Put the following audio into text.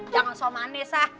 jangan sok manis ah